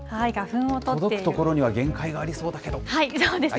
届く所には限界がありそうだそうですね。